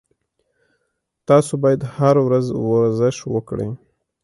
تاسو باید هر ورځ ورزش وکړئ